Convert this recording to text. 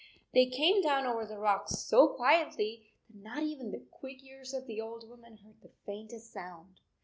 They came down over the rocks so quietly that not even the quick ears of the old woman heard the faintest sound.